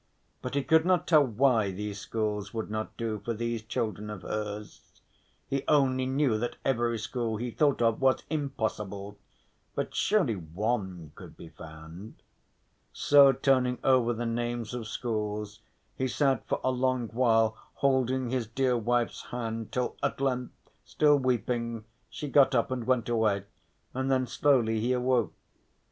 But he could not tell why these schools would not do for these children of hers, he only knew that every school he thought of was impossible, but surely one could be found. So turning over the names of schools he sat for a long while holding his dear wife's hand, till at length, still weeping, she got up and went away and then slowly he awoke.